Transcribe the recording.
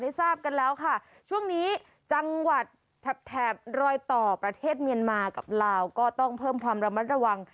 ทราบกันแล้วค่ะช่วงนี้จังหวัดแถบแถบรอยต่อประเทศเมียนมากับลาวก็ต้องเพิ่มความระมัดระวัง